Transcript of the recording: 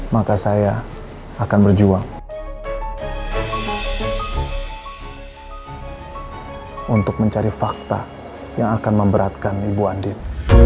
maka saya akan berjuang untuk mencari fakta yang akan memberatkan ibu andit